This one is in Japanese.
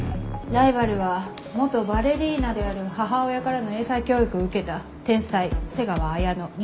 ライバルは元バレリーナである母親からの英才教育を受けた天才瀬川綾乃２０歳。